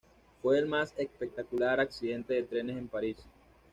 Fue el más espectacular accidente de trenes en París.